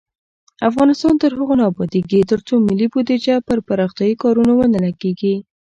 افغانستان تر هغو نه ابادیږي، ترڅو ملي بودیجه پر پراختیايي کارونو ونه لګیږي.